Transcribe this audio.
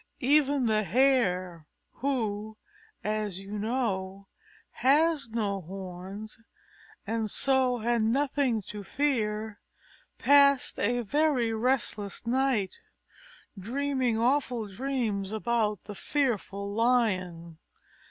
Even the Hare, who, as you know, has no horns and so had nothing to fear, passed a very restless night, dreaming awful dreams about the fearful Lion.